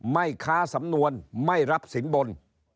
ไม่ค้าสำนวนไม่รับสินบน